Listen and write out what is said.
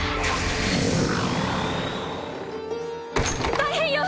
大変よ！